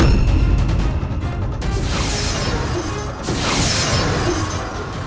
tapi jurus siapa